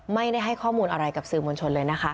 ไม่ได้ให้ข้อมูลอะไรกับสื่อมวลชนเลยนะคะ